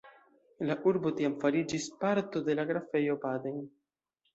La urbo tiam fariĝis parto de la Grafejo Baden.